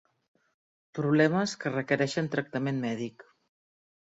Problemes que requereixen tractament mèdic.